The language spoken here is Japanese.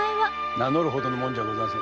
名乗るほどの者じゃございません。